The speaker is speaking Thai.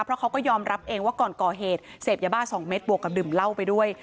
เพราะเขาก็ยอมรับเองว่าก่อนก่อเหตุเสพยาบ้า๒เม็ดบวกกับดื่มเหล้าไปด้วย